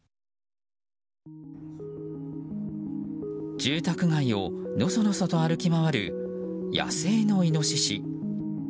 住宅街をのそのそと歩き回る野生のイノシシ。